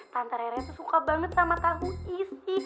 tante reret tuh suka banget sama tahu isi